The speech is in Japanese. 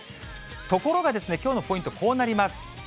ところがですね、きょうのポイントこうなります。